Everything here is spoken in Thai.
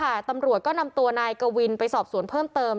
ตำรวจก็นำตัวนายกวินไปสอบสวนเพิ่มเติม